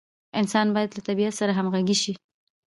انسان باید له طبیعت سره همغږي شي.